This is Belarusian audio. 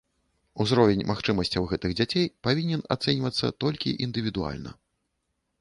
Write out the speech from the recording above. Узровень магчымасцяў гэтых дзяцей павінен ацэньвацца толькі індывідуальна.